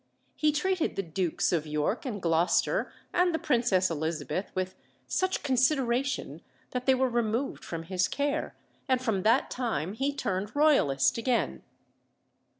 He treated the Dukes of York and Gloucester and the Princess Elizabeth with "such consideration" that they were removed from his care, and from that time he turned Royalist again.